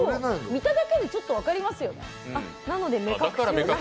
見ただけでちょっと分かりますよね？